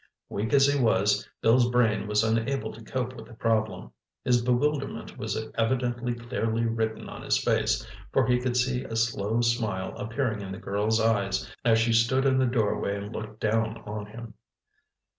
Weak as he was, Bill's brain was unable to cope with the problem. His bewilderment was evidently clearly written on his face, for he could see a slow smile appearing in the girl's eyes as she stood in the doorway and looked down on him.